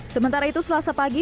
sementara itu selasa pagi